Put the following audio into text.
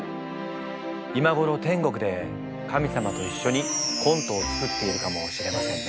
今頃天国で神様と一緒にコントを作っているかもしれませんね。